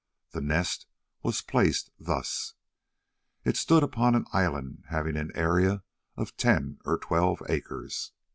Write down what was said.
The Nest was placed thus. It stood upon an island having an area of ten or twelve acres.